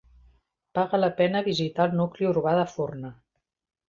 Paga la pena visitar el nucli urbà de Forna.